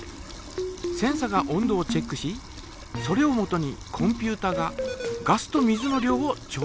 センサが温度をチェックしそれをもとにコンピュータがガスと水の量を調節する。